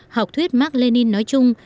học thuyết mark lenin nói chung